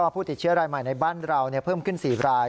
ผู้ติดเชื้อรายใหม่ในบ้านเราเพิ่มขึ้น๔ราย